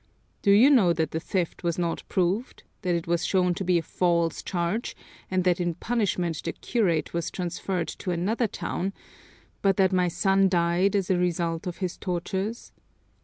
Do you know that the theft was not proved, that it was shown to be a false charge, and that in punishment the curate was transferred to another town, but that my son died as a result of his tortures?